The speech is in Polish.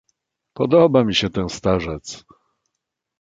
"podoba mi się ten starzec!..."